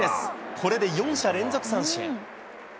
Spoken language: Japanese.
これで４者連続三振。